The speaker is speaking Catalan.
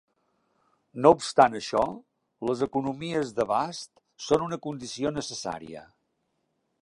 No obstant això, les economies d'abast són una condició necessària.